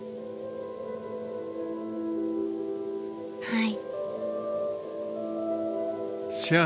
はい。